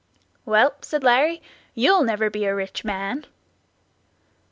"Well," said Larry, "you'll never be a rich man."